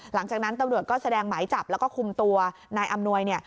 หลังจากนั้นตำรวจก็แสดงหมายจับแล้วก็คุมตัวนายอำนวยเนี่ย